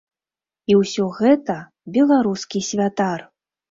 І ўсё гэта беларускі святар!